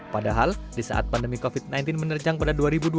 padahal di saat pandemi covid sembilan belas menerjang pada dua ribu dua puluh